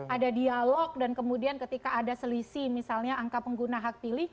ada dialog dan kemudian ketika ada selisih misalnya angka pengguna hak pilih